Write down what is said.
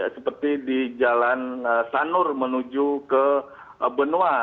seperti di jalan sanur menuju ke benua